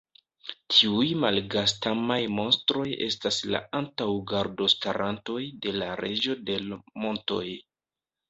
Tiuj malgastamaj monstroj estas la antaŭ-gardostarantoj de la Reĝo de l' montoj.